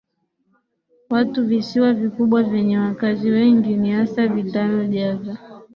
watu Visiwa vikubwa vyenye wakazi wengi ni hasa vitano Java